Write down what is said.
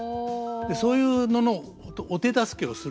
そういうののお手助けをするのが。